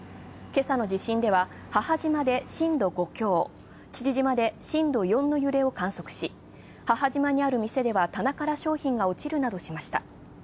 今朝の地震では母島で震度５強、父島で震度４の揺れを観測し、母島にある店では棚から商品が落ちるなどしました。